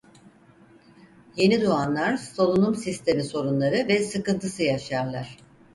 Yenidoğanlar solunum sistemi sorunları ve sıkıntısı yaşarlar.